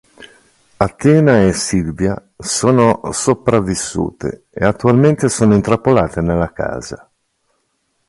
Athena e Sylvia sono sopravvissute e attualmente sono intrappolate nella casa.